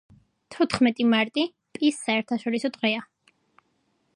თოთხმეტი მარტი "პის" საერტაშორისო დღეა